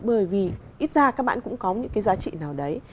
bởi vì ít ra các bạn cũng có những cái giá trị nào đấy